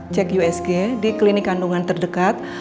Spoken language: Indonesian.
cek usg di klinik kandungan terdekat